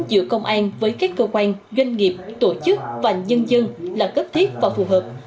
giữa công an với các cơ quan doanh nghiệp tổ chức và nhân dân là cấp thiết và phù hợp